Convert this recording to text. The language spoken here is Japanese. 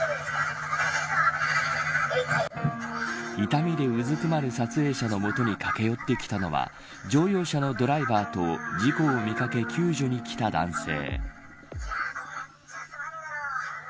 痛みでうずくまる撮影者の元に駆け寄ってきたのは乗用車のドライバーと事故を見掛け、救助に来た男性。